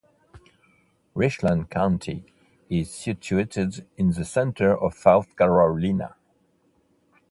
Richland County is situated in the center of South Carolina.